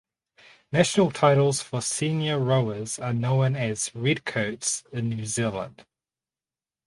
National titles for senior rowers are known as Red Coats in New Zealand.